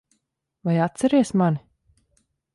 Vai atceries mani?